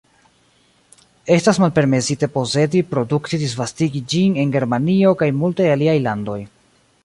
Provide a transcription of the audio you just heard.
Estas malpermesite posedi, produkti, disvastigi ĝin en Germanio kaj multaj aliaj landoj.